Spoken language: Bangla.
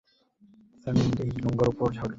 গঙ্গার উপর বড় ধরেও না।